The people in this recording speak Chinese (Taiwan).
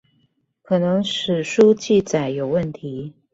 可能史書記載有問題